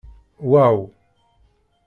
Waw!